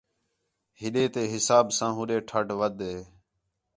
ہِݙے تے حِساب ساں ہُݙے ٹَھݙ وَدھ ہِے